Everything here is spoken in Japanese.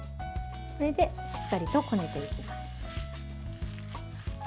これでしっかりとこねていきます。